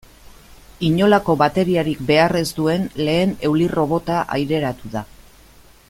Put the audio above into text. Inolako bateriarik behar ez duen lehen eulirrobota aireratu da.